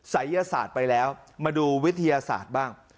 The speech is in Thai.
ศัยยศาสตร์ไปแล้วมาดูวิทยาศาสตร์บ้าง